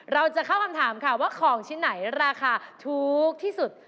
เราจะเข้าคำถามค่ะว่าของชิ้นไหนราคาถูกที่สุด